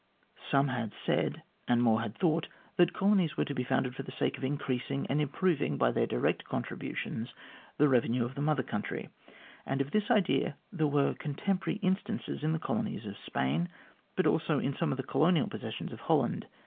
Some had said, and more had thought, that colonies were to be founded for the sake of increasing and improving, by their direct contributions, the revenue of the Mother Country, and of this idea there were contemporary instances in the colonies of Spain, and also in some of the colonial possessions of Holland.